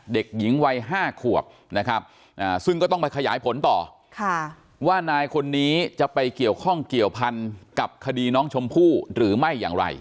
เด็กหญิงวัย๕ขวบนะครับซึ่งก็ต้องไปขยายผลต่อว่านายคนนี้จะไปเกี่ยวข้องเกี่ยวพันกับคดีน้องชมพู่หรือไม่อย่างไร